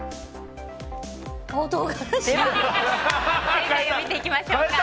正解を見ていきましょう。